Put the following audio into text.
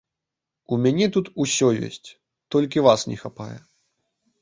У мяне тут усё ёсць, толькі вас не хапае.